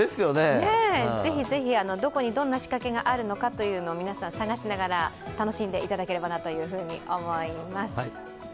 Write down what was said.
ぜひぜひどこにどんな仕掛けがあるのか皆さん、探しながら楽しんでいただければと思います。